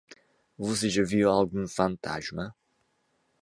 Você já viu algum fantasma?